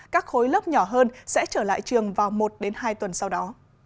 các khối lớp nhỏ hơn sẽ trở lại trường vào một hai tuần sau đó